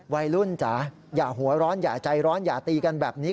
วัยรุ่นจ๋าอย่าหัวร้อนอย่าใจร้อนอย่าตีกันแบบนี้